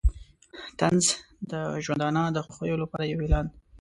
طنز د ژوندانه د خوښیو لپاره یو اعلان دی.